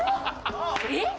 えっ？